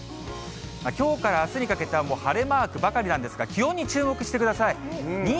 きょうからあすにかけては晴れマークばかりなんですが、気温に注目してください。